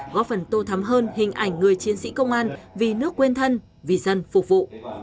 góp phần tô thắm hơn hình ảnh người chiến sĩ công an vì nước quên thân vì dân phục vụ